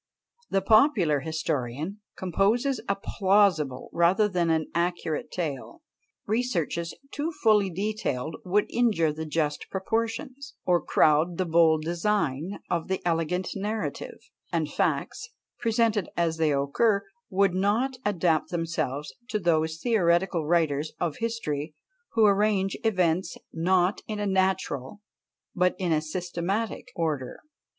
The popular historian composes a plausible rather than an accurate tale; researches too fully detailed would injure the just proportions, or crowd the bold design, of the elegant narrative; and facts, presented as they occurred, would not adapt themselves to those theoretical writers of history who arrange events not in a natural, but in a systematic order.